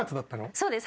そうです